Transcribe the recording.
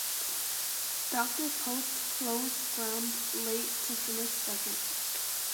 Dr Post closed ground late to finish second.